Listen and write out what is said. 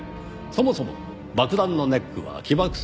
そもそも爆弾のネックは起爆装置です。